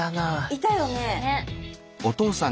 いたよね。